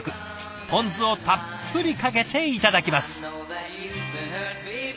ポン酢をたっぷりかけていただきます！